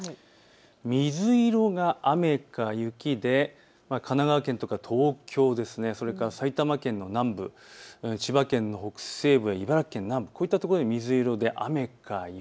水色が雨か雪で神奈川県や東京、それから埼玉県の南部、千葉県の北西部、茨城県南部、こういったところが水色で雨か雪。